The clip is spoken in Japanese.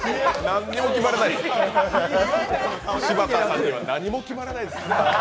柴田さんには何も決まらないです。